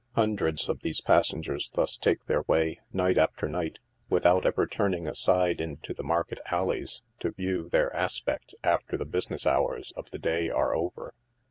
Hundreds of these passengers thus take their way, night after night, without ever turning aside into the market alleys, to view their aspect alter the business hours of the day are over.